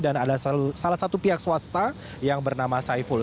dan ada salah satu pihak swasta yang bernama saiful